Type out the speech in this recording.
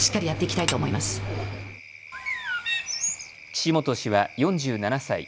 岸本氏は４７歳。